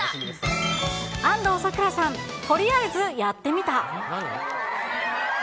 安藤サクラさん、とりあえずやってみた。